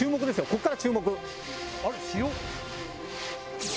ここから注目。